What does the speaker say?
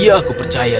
iya aku percaya